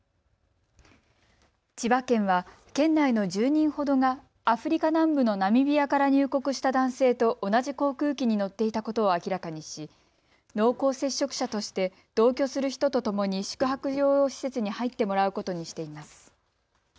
千葉県は県内の１０人ほどがアフリカ南部のナミビアから入国した男性と同じ航空機に乗っていたことを明らかにし濃厚接触者として同居する人とともに宿泊療養施設に入ってもらうことにしています。